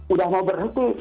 udah mau berhenti